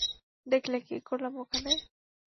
দেখলে কি করলাম ওখানে?